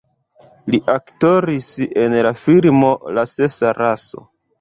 Li aktoris en la filmo La sesa raso.